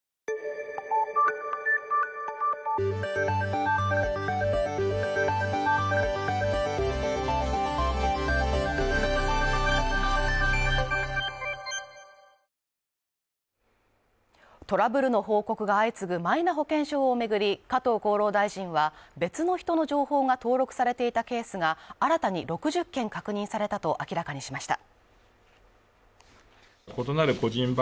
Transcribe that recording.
起訴後に行われた世論調査では、起訴は、政治的な動機だと考える共和党員がトラブルの報告が相次ぐマイナ保険証を巡り、加藤厚労大臣は別の人の情報が登録されていたケースが新たに６０件確認されたと明らかにしました。